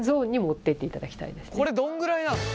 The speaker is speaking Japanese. これどんぐらいなの？